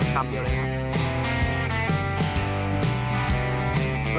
คำเดียวเลยครับ